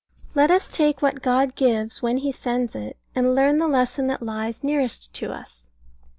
Let us take what God gives when He sends it, and learn the lesson that lies nearest to us.